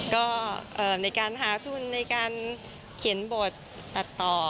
ก็ในการหาทุนในการเขียนบทตัดต่อ